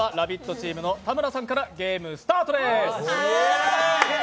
チームの田村さんからスタートです。